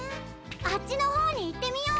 あっちのほうにいってみよう！